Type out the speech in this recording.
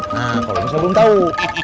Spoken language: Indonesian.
nah kalau enggak usah belum tahu